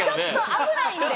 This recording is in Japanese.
危ないんで。